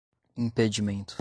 impedimento